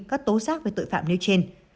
các tố giác về tội phạm nếu trên